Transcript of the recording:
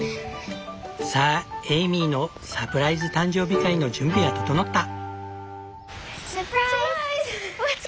さあエイミーのサプライズ誕生日会の準備は整った！